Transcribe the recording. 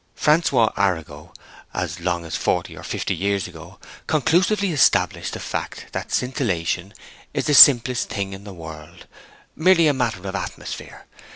Francois Arago, as long as forty or fifty years ago, conclusively established the fact that scintillation is the simplest thing in the world, merely a matter of atmosphere.